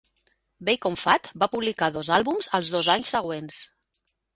Bacon Fat va publicar dos àlbums els dos anys següents.